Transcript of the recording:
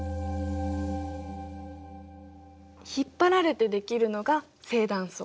引っ張られてできるのが正断層。